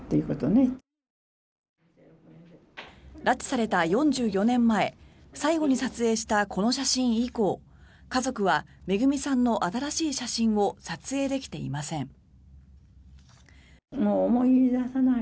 拉致された４４年前最後に撮影したこの写真以降家族はめぐみさんの新しい写真を撮影できていません。